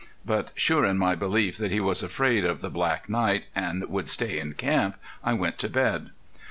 But sure in my belief that he was afraid of the black night and would stay in camp, I went to bed.